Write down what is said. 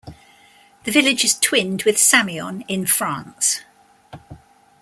The village is twinned with Sameon in France.